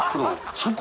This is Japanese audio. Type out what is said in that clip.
そこ！